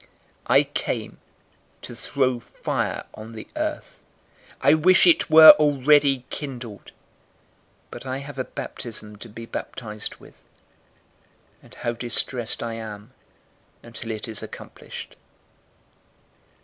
012:049 "I came to throw fire on the earth. I wish it were already kindled. 012:050 But I have a baptism to be baptized with, and how distressed I am until it is accomplished!